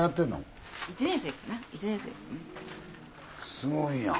すごいやん。